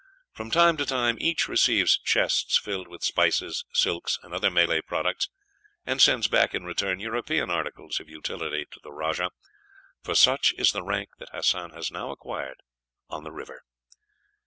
From time to time each receives chests filled with spices, silks, and other Malay products, and sends back in return European articles of utility to the rajah, for such is the rank that Hassan has now acquired on the river.